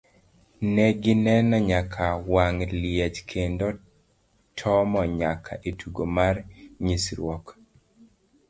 Ne gineno nyaka wang' liech kendo tomo nyaka e tugo mar nyisruok.